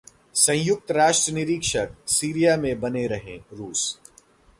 संयुक्त राष्ट्र निरीक्षक सीरिया में बने रहें: रूस